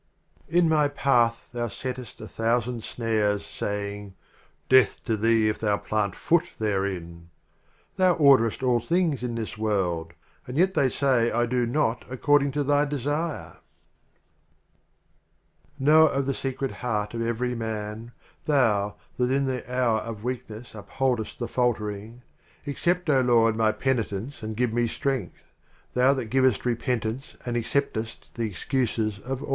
LXXX. In my Path Thou settest a Thou sand Snares, saying, " Death to thee if thou plant Foot therein !" Thou orderest all things in this World — And yet they say I do not accord ing to Thy Desire ! 77 n,i ?"'Knower of the Secret Heart of Umar Every Man, — Thou, That in the Hour of Weak ness upholdest the Faltering, — Accept, O Lord, my Penitence and give me Strength ! Thou That givest Repentance and acceptest the Excuses of All.